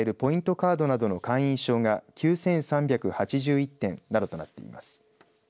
カードなどの会員証が９３８１点などとなっています。